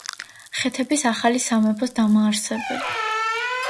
ხეთების ახალი სამეფოს დამაარსებელი.